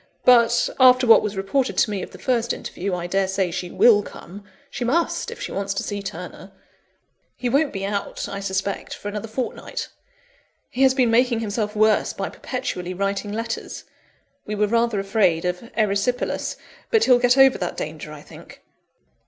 But, after what was reported to me of the first interview, I daresay she will come. She must, if she wants to see Turner; he won't be out, I suspect, for another fortnight. He has been making himself worse by perpetually writing letters; we were rather afraid of erysipelas, but he'll get over that danger, I think."